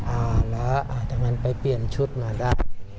อ่าแล้วจากนั้นไปเปลี่ยนชุดมาได้